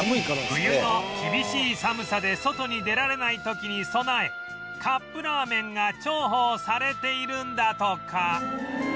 冬の厳しい寒さで外に出られない時に備えカップラーメンが重宝されているんだとか